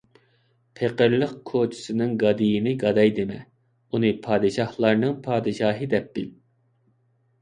پېقىرلىق كوچىسىنىڭ گادىيىنى گاداي دېمە، ئۇنى پادىشاھلارنىڭ پادىشاھى دەپ بىل.